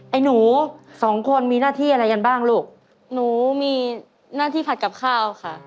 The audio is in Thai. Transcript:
ไอ้หนูสองคนมีหน้าที่อะไรกันบ้างลูกหนูมีหน้าที่ผัดกับข้าวค่ะ